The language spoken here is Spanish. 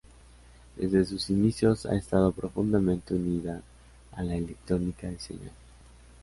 Desde sus inicios ha estado profundamente unida a la electrónica de señal.